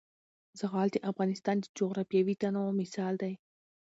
زغال د افغانستان د جغرافیوي تنوع مثال دی.